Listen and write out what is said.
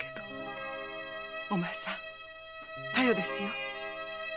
お前さん「たよ」ですよ。